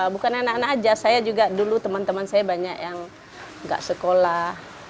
bukan anak anak saja dulu teman teman saya banyak yang tidak sekolah